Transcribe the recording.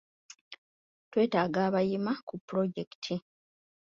Twetaaga abayima ku pulojekiti.